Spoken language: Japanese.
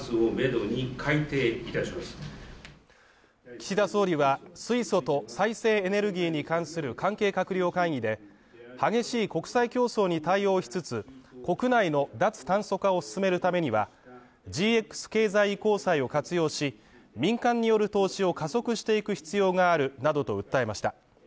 岸田総理は水素と再生エネルギーに関する関係閣僚会議で激しい国際競争に対応しつつ、国内の脱炭素化を進めるためには、ＧＸ経済移行債を活用し、民間による投資を加速していく必要があるなどと訴えました。